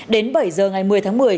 đến bảy h ngày một mươi tháng một mươi